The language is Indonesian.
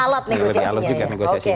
lebih alat negosiasinya